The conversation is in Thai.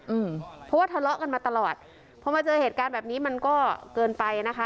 อืมเพราะว่าทะเลาะกันมาตลอดพอมาเจอเหตุการณ์แบบนี้มันก็เกินไปนะคะ